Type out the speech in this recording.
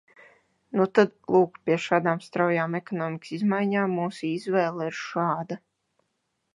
Nu tad, lūk, pie šādām straujām ekonomikas izmaiņām mūsu izvēle ir šāda.